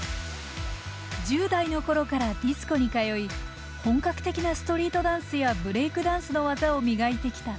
１０代の頃からディスコに通い本格的なストリートダンスやブレイクダンスの技を磨いてきたＳＡＭ。